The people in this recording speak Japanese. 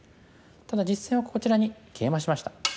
ただ実戦はこちらにケイマしました。